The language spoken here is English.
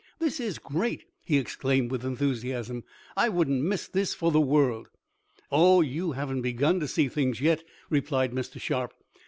"This is great!" he exclaimed, with enthusiasm. "I wouldn't miss this for the world!" "Oh, you haven't begun to see things yet," replied Mr. Sharp.